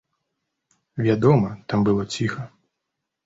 Вядома, там было ціха.